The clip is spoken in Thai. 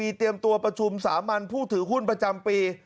เตรียมตัวประชุมสามัญผู้ถือหุ้นประจำปี